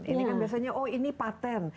ini kan biasanya oh ini patent